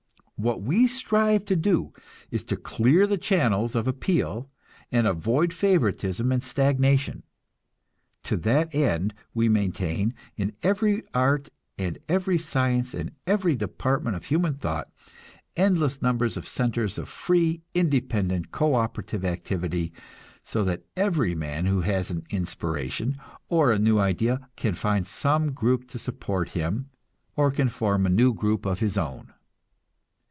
What we strive to do is to clear the channels of appeal, and avoid favoritism and stagnation. To that end we maintain, in every art and every science and every department of human thought, endless numbers of centers of free, independent, co operative activity, so that every man who has an inspiration, or a new idea, can find some group to support him or can form a new group of his own.